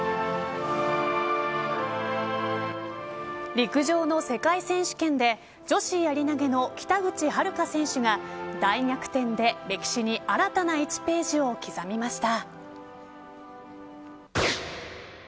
陸上の世界選手権で女子やり投げの北口榛花選手が大逆転で歴史に新たな１ページを刻みました。